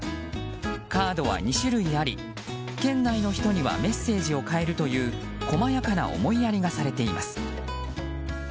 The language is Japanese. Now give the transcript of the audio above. カードは２種類あり県内の人にはメッセージを変えるという細やかな思いやりがされています。